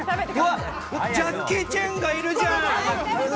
ジャッキー・チェンがいるじゃん！